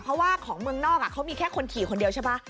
เพราะว่าของเมืองนอกเขามีแค่คนขี่คนเดียวใช่ไหม